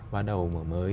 bắt đầu mở mới